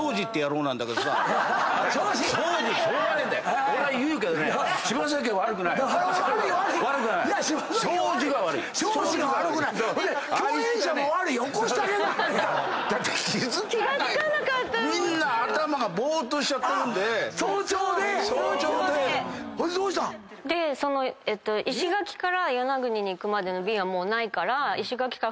ほんでどうしたん⁉石垣から与那国に行くまでの便はもうないから。